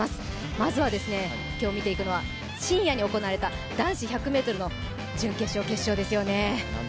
まずは今日見ていくのは深夜に行われた男子１００ｍの準決勝、決勝ですね。